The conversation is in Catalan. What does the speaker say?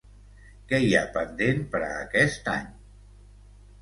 Què hi ha pendent per a aquest any?